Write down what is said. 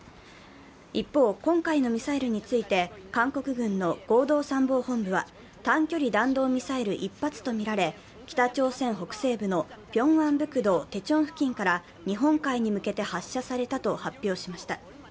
一方、今回のミサイルについて韓国軍の合同参謀本部は、短距離弾道ミサイル１発とみられ、北朝鮮北西部のピョンアンプクド・テチョン付近から日本海に向けて発射されたと発表しました。